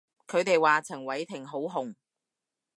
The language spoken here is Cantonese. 佢哋話陳偉霆好紅